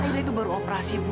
lila itu baru operasi bu